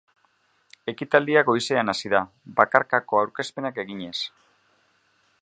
Ekitaldia goizean hasi da, bakarkako aurkezpenak eginez.